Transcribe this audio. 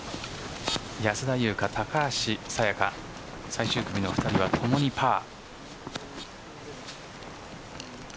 安田祐香、高橋彩華最終組の２人はともにパー。